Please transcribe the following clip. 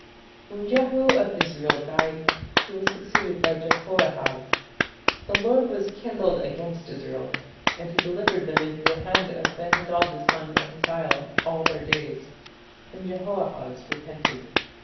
" When Jehu of Israel died, he was succeeded by Jehoahaz. "The Lord was kindled against Israel, and he delivered them into the hand of Ben hadad the son of Hazael all their days." Then Jehoahaz repented.